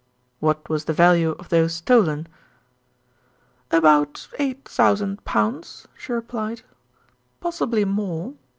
"What was the value of those stolen?" "About 8,000 pounds," she replied, "possibly more.